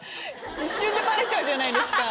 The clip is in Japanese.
一瞬でバレちゃうじゃないですか。